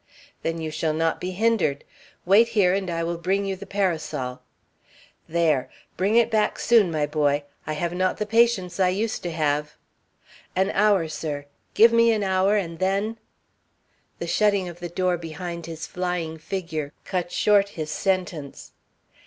"Then you shall not be hindered. Wait here, and I will bring you the parasol. There! bring it back soon, my boy. I have not the patience I used to have." "An hour, sir; give me an hour, and then " The shutting of the door behind his flying figure cut short his sentence.